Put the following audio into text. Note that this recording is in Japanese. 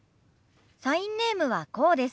サインネームはこうです。